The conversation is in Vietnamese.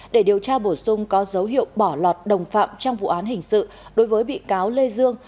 để điều tra bổ sung có dấu hiệu bỏ lọt đồng phạm trong vụ án hình sự đối với bị cáo lê dương